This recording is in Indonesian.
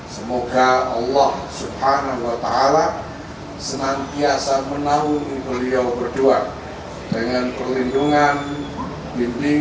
sekarang seksyen grotsek saya pula yang sumber